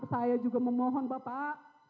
saya juga memohon bapak